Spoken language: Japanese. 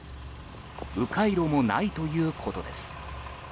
う回路もないということです。